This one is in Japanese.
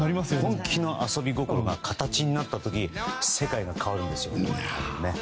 本気の遊び心が形になった時世界が変わるんですよ。